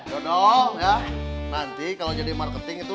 dodol dado terjerumah nao